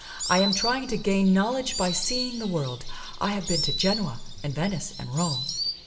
" I am trying to gain knowledge by seeing the world. I have been to Genoa and Venice and Rome."